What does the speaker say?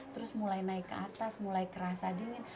terus mulai naik ke atas mulai kerasa dingin